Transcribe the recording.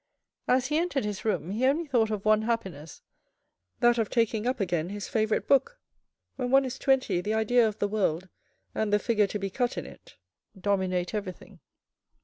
As he entered his room, he only thought of one happiness, that of taking up again his favourite book. When one is twenty 70 THE RED AND THE BLACK the idea of the world and the figure to be cut in it dominate everything.